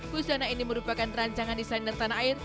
busana ini merupakan rancangan desainer tanah air